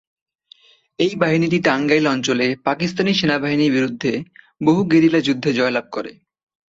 এই বাহিনীটি টাঙ্গাইল অঞ্চলে পাকিস্তানি সেনাবাহিনীর বিরুদ্ধে বহু গেরিলা যুদ্ধে জয়লাভ করে।